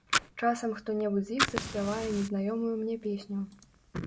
Часам хто-небудзь з іх заспявае незнаёмую мне песню.